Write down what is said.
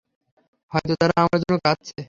হয়তো তারা আমার জন্য কাঁদছে।